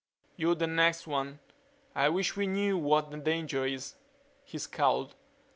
"You're the next one. I wish we knew what the danger is." He scowled.